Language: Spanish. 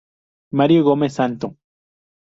Marino Gómez-Santo